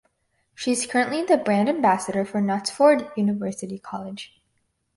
She is currently the brand ambassador for Knutsford University College.